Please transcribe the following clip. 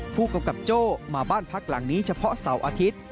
ผู้กำกับโจ้มาบ้านพักหลังนี้เฉพาะเสาร์อาทิตย์